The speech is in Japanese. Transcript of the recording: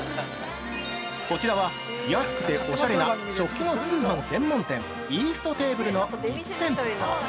◆こちらは安くておしゃれな食器の通販専門店「イーストテーブル」の実店舗。